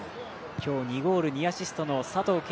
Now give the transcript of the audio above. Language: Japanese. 今日２ゴール２アシストの佐藤恵